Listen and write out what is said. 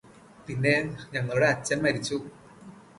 പിന്നെ ഞങ്ങളുടെ അച്ഛന് മരിച്ചു